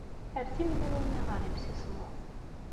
Err timellalin-nni ɣer yimsismeḍ.